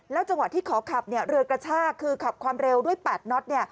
จังหวะที่ขอขับเรือกระชากคือขับความเร็วด้วย๘น็อต